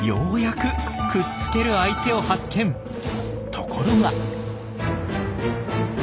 ところが。